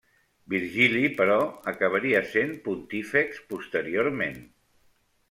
Vigili, però, acabaria sent pontífex posteriorment.